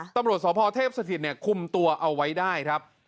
ตำรวจสภเทพสถิตย์คุมตัวเอาไว้ได้